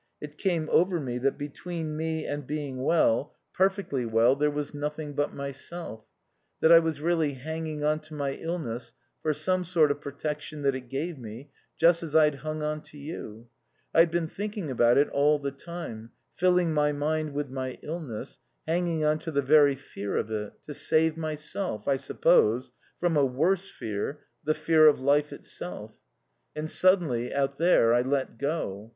It came over me that between me and being well, perfectly well, there was nothing but myself, that I was really hanging on to my illness for some sort of protection that it gave me, just as I'd hung on to you. I'd been thinking about it all the time, filling my mind with my illness, hanging on to the very fear of it; to save myself, I suppose, from a worse fear, the fear of life itself. And suddenly, out there, I let go.